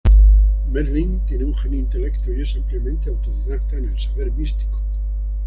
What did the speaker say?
Merlín tiene un genio intelecto y es ampliamente autodidacta en el saber místico.